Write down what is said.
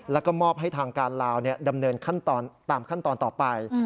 แล้วก็มอบให้ทางการลาวดำเนินตามขั้นตอนต่อไป